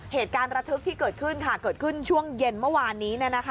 เหตุการณ์ระทึกที่เกิดขึ้นค่ะเกิดขึ้นช่วงเย็นเมื่อวานนี้